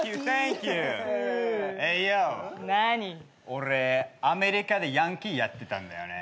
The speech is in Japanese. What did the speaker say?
俺アメリカでヤンキーやってたんだよね。